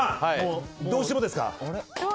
どうしてもです。